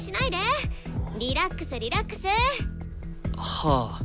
はあ。